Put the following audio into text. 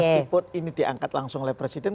meskipun ini diangkat langsung oleh presiden